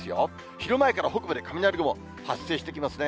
昼前から北部で雷雲、発生してきますね。